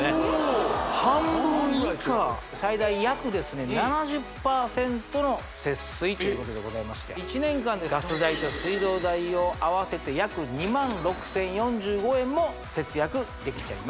おお半分以下最大約ですね７０％の節水っていうことでございまして１年間でガス代と水道代を合わせて約２万６０４５円も節約できちゃいます